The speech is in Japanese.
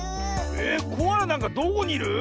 えっコアラなんかどこにいる？